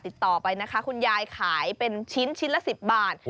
ติดต่อไปนะคะคุณยายขายเป็นชิ้นชิ้นละ๑๐บาท